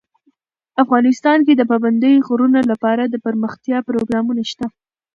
افغانستان کې د پابندي غرونو لپاره دپرمختیا پروګرامونه شته.